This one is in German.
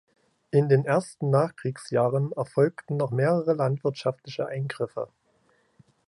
In den ersten Nachkriegsjahren erfolgten noch mehrere landwirtschaftliche Eingriffe.